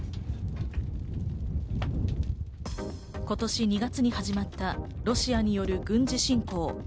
今年２月に始まったロシアによる軍事侵攻。